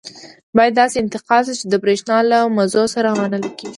باید داسې انتقال شي چې د بریښنا له مزو سره ونه لګېږي.